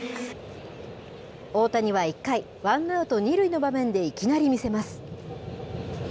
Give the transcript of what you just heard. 大谷は１回、ワンアウト２塁の場面でいきなり見せます。